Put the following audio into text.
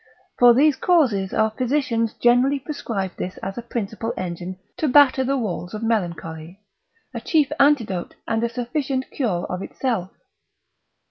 For these causes our physicians generally prescribe this as a principal engine to batter the walls of melancholy, a chief antidote, and a sufficient cure of itself.